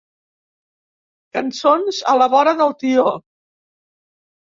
Cançons a la vora del tió.